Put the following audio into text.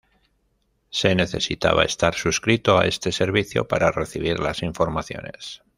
Se necesitaba estar suscrito a este servicio para recibir las informaciones.